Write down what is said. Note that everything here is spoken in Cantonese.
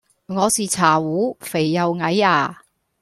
我是茶壺肥又矮呀